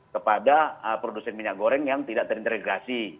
kepada produsen minyak goreng yang tidak terintegrasi